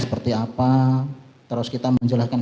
seperti apa terus kita menjelaskan